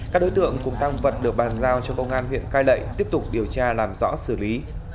các đối tượng cùng tăng vật được bàn giao cho công an huyện cai lệ tiếp tục điều tra làm rõ xử lý